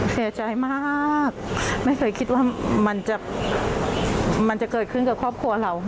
เสียใจมากไม่เคยคิดว่ามันจะเกิดขึ้นกับครอบครัวเรา